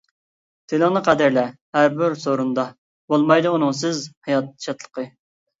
تىلىڭنى قەدىرلە ھەربىر سورۇندا، بولمايدۇ ئۇنىڭسىز ھايات شادلىقى.